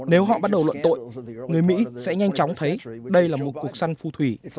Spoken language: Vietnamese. nếu họ bắt đầu luận tội người mỹ sẽ nhanh chóng thấy đây là một cuộc săn phu thủy